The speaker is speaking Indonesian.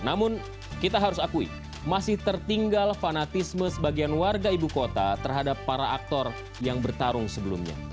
namun kita harus akui masih tertinggal fanatisme sebagian warga ibu kota terhadap para aktor yang bertarung sebelumnya